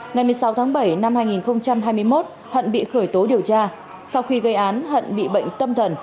ngày một mươi sáu tháng bảy năm hai nghìn hai mươi một hận bị khởi tố điều tra sau khi gây án hận bị bệnh tâm thần